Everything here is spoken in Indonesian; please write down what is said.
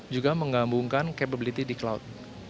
juga menggabungkan kemampuan di cloud